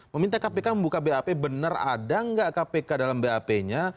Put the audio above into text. meminta kpk membuka bap benar ada nggak kpk dalam bap nya